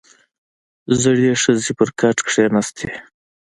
• زړې ښځې پر کټ کښېناستې.